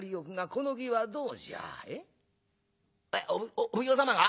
お奉行様が？